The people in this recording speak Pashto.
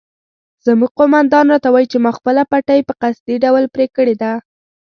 زموږ قومندان راته وایي چې ما خپله پټۍ په قصدي ډول پرې کړې ده.